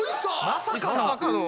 まさかの？